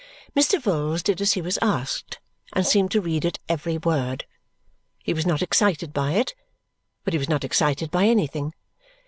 Mr. Vholes did as he was asked and seemed to read it every word. He was not excited by it, but he was not excited by anything.